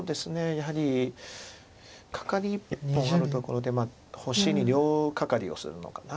やはりカカリ１本あるところで星に両ガカリをするのかな。